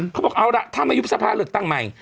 เขาบอกเอาละถ้ามีอยุปสรรพาหรือตั้งใหม่